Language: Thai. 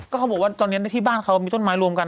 เขาบอกว่าตอนนี้ที่บ้านเขามีต้นไม้รวมกัน